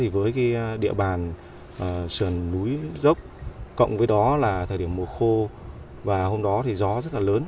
với địa bàn sườn núi gốc cộng với đó là thời điểm mùa khô và hôm đó thì gió rất lớn